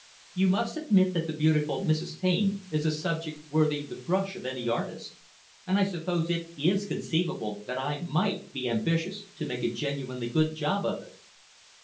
You must admit that the beautiful Mrs. Taine is a subject worthy the brush of any artist; and I suppose it is conceivable that I might be ambitious to make a genuinely good job of it."